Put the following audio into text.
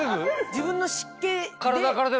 自分の湿気で。